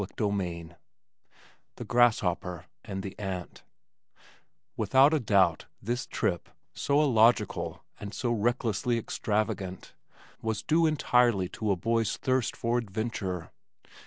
CHAPTER XXI The Grasshopper and the Ant Without a doubt this trip, so illogical and so recklessly extravagant, was due entirely to a boy's thirst for adventure.